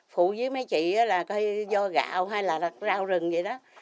phụ với mấy chị là do gạo hay là rau rừng vậy đó